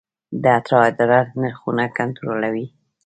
د اترا اداره نرخونه کنټرولوي؟